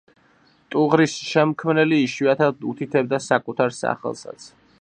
ტუღრის შემქმნელი იშვიათად უთითებდა საკუთარ სახელსაც.